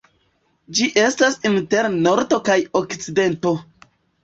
Ĝi estas inter Nordo kaj Okcidento.